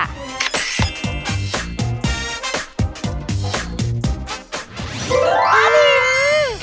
ป้าพิมพ์กล้ามาก